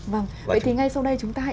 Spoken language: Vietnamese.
vâng vậy thì ngay sau đây chúng ta hãy